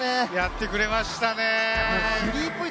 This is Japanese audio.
やってくれましたね。